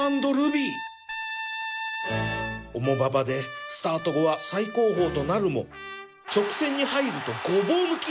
重馬場でスタート後は最後方となるも直線に入るとごぼう抜き